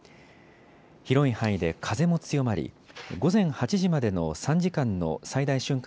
広い範囲で風も強まり午前８時までの３時間の最大瞬間